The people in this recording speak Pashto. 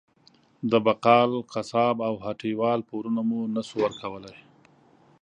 د بقال، قصاب او هټۍ وال پورونه مو نه شو ورکولی.